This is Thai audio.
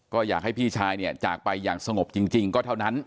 ก็อยากให้พี่ชายเนี่ยจากไปอย่างสงบจริงก็เท่านั้น